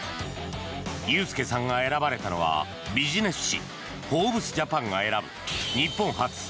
佑丞さんが選ばれたのはビジネス誌「フォーブスジャパン」が選ぶ日本発